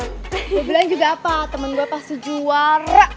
gue bilang juga apa temen gue pasti juara